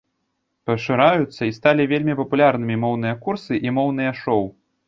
Пашыраюцца і сталі вельмі папулярнымі моўныя курсы і моўныя шоў.